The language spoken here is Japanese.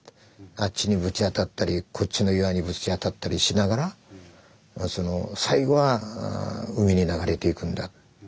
あっちにぶち当たったりこっちの岩にぶち当たったりしながら最後は海に流れていくんだ。